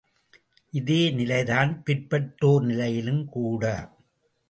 இதே நிலைதான் பிற்பட்டோர் நிலையிலும் கூட!